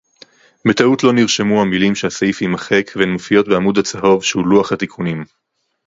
בטעות לא נרשמו המלים שהסעיף יימחק והן מופיעות בעמוד הצהוב שהוא לוח התיקונים